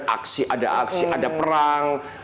aksi ada aksi ada perang